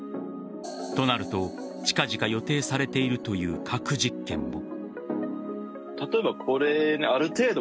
となると近々予定されているという核実験も。